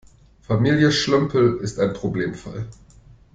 Familie Schlömpel ist ein Problemfall.